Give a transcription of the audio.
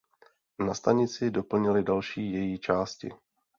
Na stanici doplnili další její části.